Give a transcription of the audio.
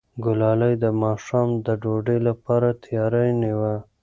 ګلالۍ د ماښام د ډوډۍ لپاره تیاری نیوه.